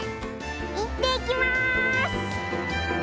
いってきます！